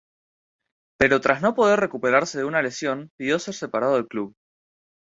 Pero tras no poder recuperarse de una lesión pidió ser separado del club.